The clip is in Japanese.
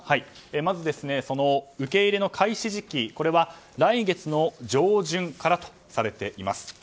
まず、受け入れの開始時期は来月上旬からとされています。